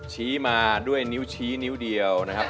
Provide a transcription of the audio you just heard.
ชี้มาด้วยนิ้วชี้นิ้วเดียวนะครับ